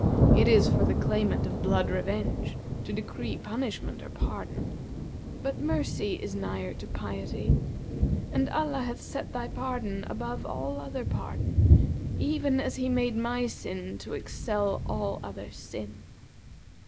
it is for the claimant of blood revenge[FN#157] to decree punishment or pardon; but mercy is nigher to piety; and Allah hath set thy pardon above all other pardon, even as He made my sin to excel all other sin.